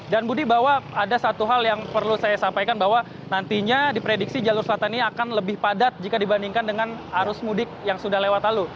dan budi bahwa ada satu hal yang perlu saya sampaikan bahwa nantinya diprediksi jalur selatan ini akan lebih padat jika dibandingkan dengan arus mudik yang sudah lewat lalu